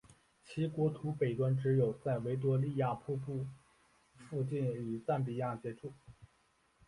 其国土北端只有在维多利亚瀑布附近与赞比亚接触。